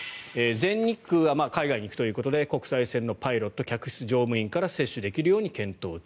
全日空は海外に行くということで国際線のパイロット客室乗務員から接種できるように検討中。